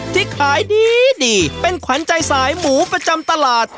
ที่ขายดีเป็นขวัญใจสายหมูประจำตลาด